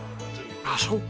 あっそっか。